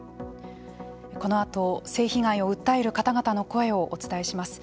このあと、性被害を訴える方々の声をお伝えします。